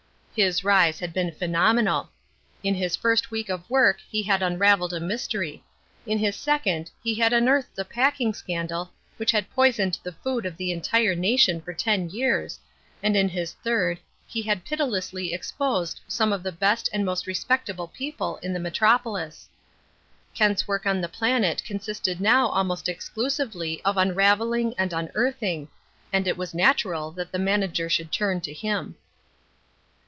His rise had been phenomenal. In his first week of work he had unravelled a mystery, in his second he had unearthed a packing scandal which had poisoned the food of the entire nation for ten years, and in his third he had pitilessly exposed some of the best and most respectable people in the metropolis. Kent's work on the Planet consisted now almost exclusively of unravelling and unearthing, and it was natural that the manager should turn to him.